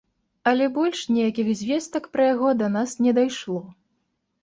Але больш ніякіх звестак пра яго да нас не дайшло.